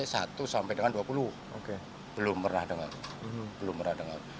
sampai dengan dua puluh belum pernah dengar